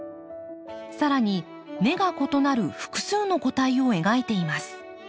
さらに根が異なる複数の個体を描いています。